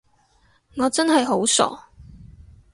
我真係好傻